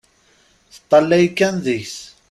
Teṭṭalay kan deg-s.